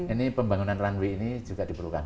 ini pembangunan runway ini juga diperlukan